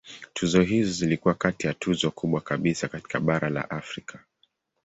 Tuzo hizo zilikuwa kati ya tuzo kubwa kabisa katika bara la Afrika.